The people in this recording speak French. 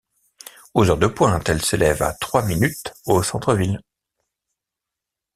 Aux heures de pointe elle s'élève à trois minutes au centre ville.